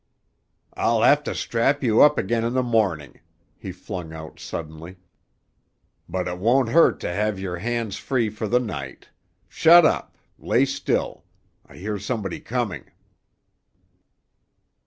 "I'll have to strap you up again in the morning," he flung out suddenly, "but it won't hurt to have your hands free for the night. Shut up—lay still! I hear somebody coming."